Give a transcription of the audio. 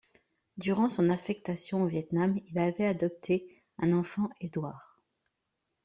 Durant son affectation au Vietnam, il avait adopté un enfant, Édouard.